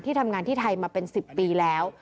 ทำงานที่ไทยมาเป็น๑๐ปีแล้ว